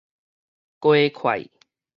雞塊